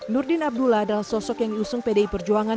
nurdin abdullah adalah sosok yang diusung pdi perjuangan